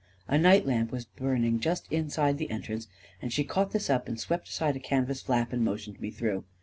A night lamp was burning just inside the entrance, and she caught this up, and swept aside a canvas flap, and motioned me through.